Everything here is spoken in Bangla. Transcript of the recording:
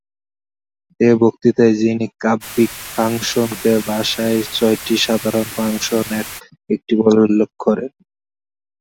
এই বক্তৃতায় তিনি কাব্যিক ফাংশন কে ভাষার ছয়টি সাধারণ ফাংশন এর একটি বলে উল্লেখ করেন।